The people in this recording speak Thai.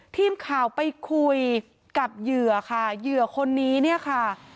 ทีมข่าวไปคุยกับเหยื่อค่ะเหยื่อคนนี้เนี่ยค่ะ